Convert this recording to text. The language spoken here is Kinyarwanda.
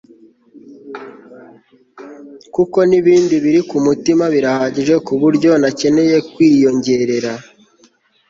kuko nibindi biri ku mutima birahagije kuburyo ntakeneye kwiyongerera